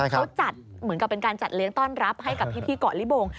เขาจัดเหมือนกับเป็นการจัดเลี้ยงต้อนรับให้กับพี่เกาะลิบง